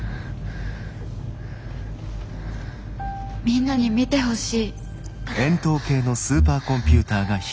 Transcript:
みんなに見てほしい。